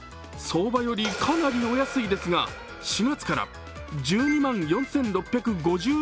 相場よりかなりお安いですが４月から１２万４６５２円に。